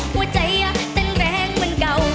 หัวใจเต้นแรงเหมือนเก่า